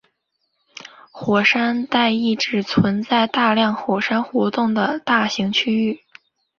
火山带意指存在大量火山活动的大型区域。